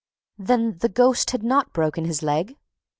"Then the ghost had not broken his leg?"